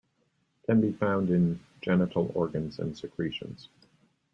Can be found in genital organs and secretions.